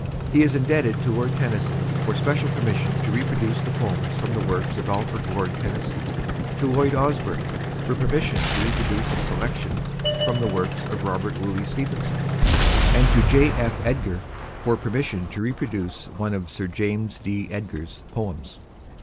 He is indebted to Lord Tennyson for special permission to reproduce the poems from the works of Alfred, Lord Tennyson; to Lloyd Osbourne for permission to reproduce the selection from the works of Robert Louis Stevenson; and to J. F. Edgar for permission to reproduce one of Sir James D. Edgar's poems.